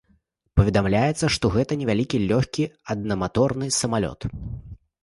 Паведамляецца, што гэта невялікі лёгкі аднаматорны самалёт.